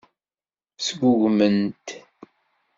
Sgugmen-t.